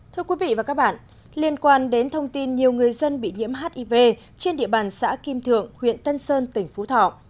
thưa quý vị và các bạn liên quan đến thông tin nhiều người dân bị nhiễm hiv trên địa bàn xã kim thượng huyện tân sơn tỉnh phú thọ